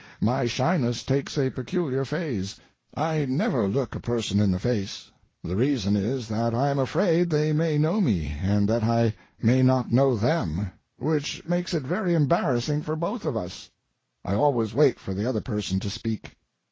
My shyness takes a peculiar phase. I never look a person in the face. The reason is that I am afraid they may know me and that I may not know them, which makes it very embarrassing for both of us. I always wait for the other person to speak.